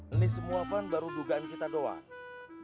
ini semua van baru dugaan kita doang